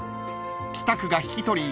［北区が引き取り